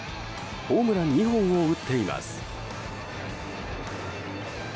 ホームラン２本を打っています。